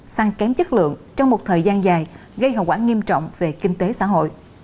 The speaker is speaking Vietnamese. sang kém chất lượng trong một thời gian dài gây hậu quả nghiêm trọng về kinh tế xã hội